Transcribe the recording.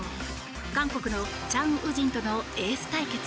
韓国のチャン・ウジンとのエース対決。